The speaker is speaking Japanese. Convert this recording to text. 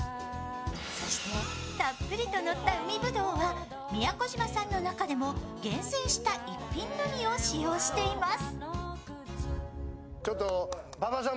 そして、たっぷりとのった海ぶどうは宮古島産の中でも厳選した逸品のみを使用しています。